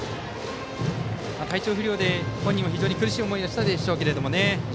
体調不良で本人も非常に苦しい思いをしたでしょうけども。